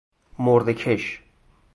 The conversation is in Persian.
مرده کش